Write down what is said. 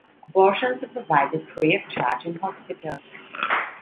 Abortions are provided free-of-charge in hospitals.